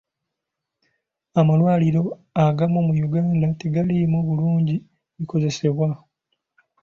Amalwaliro agamu mu Uganda tegaliimu bulungi bikozesebwa.